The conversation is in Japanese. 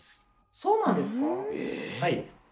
そうなんですか？